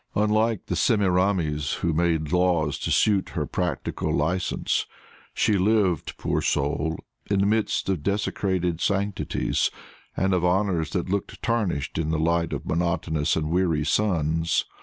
Unlike that Semiramis who made laws to suit her practical license, she lived, poor soul, in the midst of desecrated sanctities, and of honors that looked tarnished in the light of monotonous and weary suns.